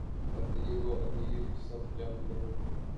خطیب و ادیب سب جانتے ہیں۔